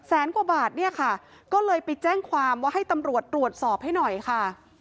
กว่าบาทเนี่ยค่ะก็เลยไปแจ้งความว่าให้ตำรวจตรวจสอบให้หน่อยค่ะ